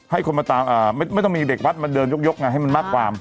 ให้คนมาตามไม่ต้องมีเด็กวัดมาเดินยกไงให้มันมากกว่า